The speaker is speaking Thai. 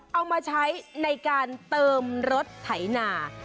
เอามาใช้ในการเติมรถไถนา